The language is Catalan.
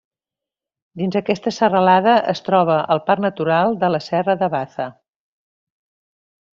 Dins aquesta serralada es troba Parc Natural de la Serra de Baza.